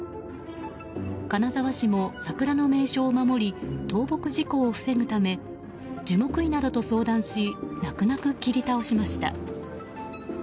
金沢市も桜の名所を守り倒木事故を防ぐため樹木医などと相談し泣く泣く切り倒しました。